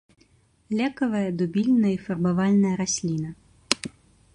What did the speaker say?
Лекавая, дубільная і фарбавальная расліна.